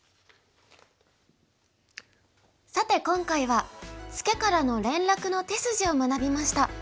さて今回はツケからの連絡の手筋を学びました。